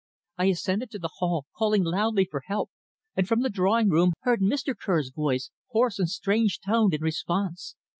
I ascended to the hall, calling loudly for help, and from the drawing room heard Mr. Kerr's voice, hoarse and strange toned, in response.